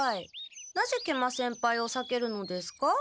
なぜ食満先輩をさけるのですか？